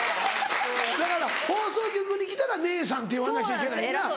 だから放送局に来たら「姉さん」って言わなきゃいけないねんな。